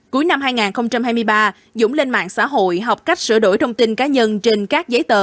cuối năm hai nghìn hai mươi ba dũng lên mạng xã hội học cách sửa đổi thông tin cá nhân trên các giấy tờ